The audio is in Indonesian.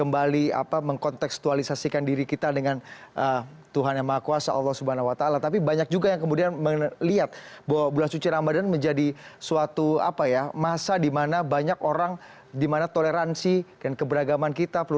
budi adiputro cnn indonesia